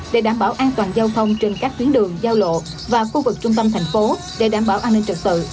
để đảm bảo an toàn giao thông trên các tuyến đường giao lộ và khu vực trung tâm thành phố để đảm bảo an ninh trật tự